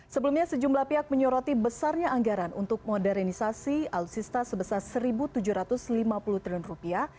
sebelumnya sejumlah pihak menyoroti besarnya anggaran untuk modernisasi alutsista sebesar satu tujuh ratus lima puluh triliun rupiah